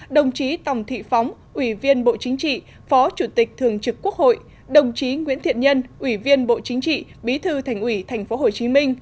đồng chí tòng thị phóng ủy viên bộ chính trị phó chủ tịch thường trực quốc hội đồng chí nguyễn thiện nhân ủy viên bộ chính trị bí thư thành ủy tp hcm